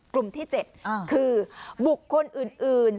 กลุ่มที่๗คือบุคคลอื่น